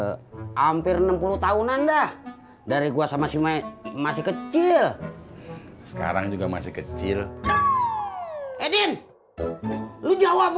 hampir enam puluh tahun anda dari gua sama simet masih kecil sekarang juga masih kecil edwin lu jawab